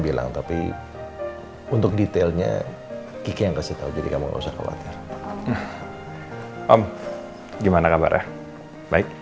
bilang tapi untuk detailnya kiki yang kasih tahu jadi kamu nggak usah khawatir om gimana kabarnya baik